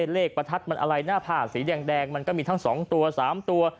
ประทัดมันอะไรหน้าผ้าสีแดงมันก็มีทั้ง๒ตัว๓ตัว